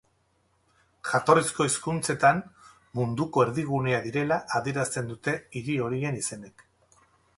Jatorrizko hizkuntzetan, munduko erdigunea direla adierazten dute hiri horien izenek.